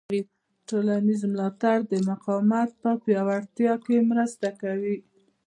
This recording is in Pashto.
ټولنیز ملاتړ د مقاومت په پیاوړتیا کې مرسته کوي.